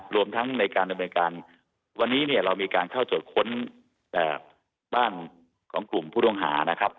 รวมทั้งในการดำเนินการวันนี้เนี่ยเรามีการเข้าตรวจค้นบ้านของกลุ่มผู้ต้องหานะครับ